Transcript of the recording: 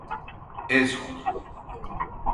Ez onu!